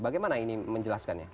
bagaimana ini menjelaskannya